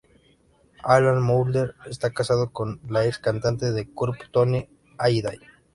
Alan Moulder esta casado con la ex cantante de Curve Toni Halliday.